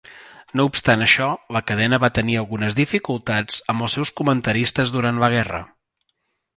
No obstant això, la cadena va tenir algunes dificultats amb els seus comentaristes durant la guerra.